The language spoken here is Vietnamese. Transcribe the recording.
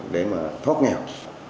để mà thoát nghèo